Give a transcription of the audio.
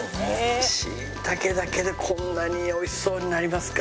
椎茸だけでこんなに美味しそうになりますか？